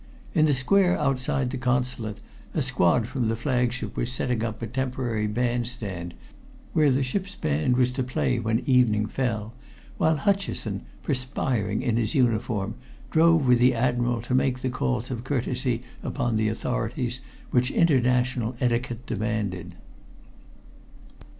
In the square outside the Consulate a squad from the flagship were setting up a temporary band stand, where the ship's band was to play when evening fell, while Hutcheson, perspiring in his uniform, drove with the Admiral to make the calls of courtesy upon the authorities which international etiquette demanded.